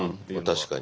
確かに。